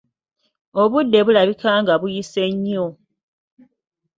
Obudde bulabika nga buyise nnyo!